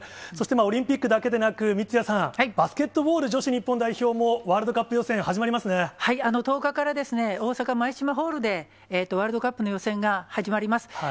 そして、オリンピックだけでなく、三屋さん、バスケットボール女子日本代表も、ワールドカップ予選、１０日からですね、大阪・舞洲ホールでワールドカップの予選が始まります。